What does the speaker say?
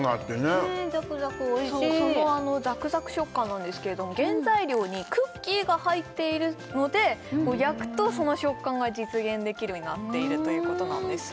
うんザクザクおいしいそのザクザク食感なんですけれども原材料にクッキーが入っているので焼くとその食感が実現できるようになっているということなんですよ